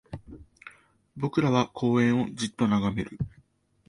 僕らは公園をじっと眺める